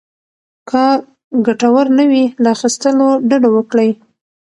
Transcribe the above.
که ګټور نه وي، له اخيستلو ډډه وکړئ.